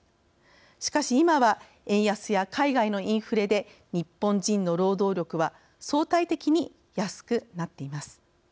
しかし、今は円安や海外のインフレで日本人の労働力は相対的に安くなっています。